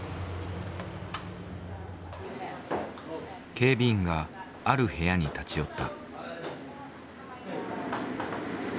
警備員がある部屋に立ち寄った。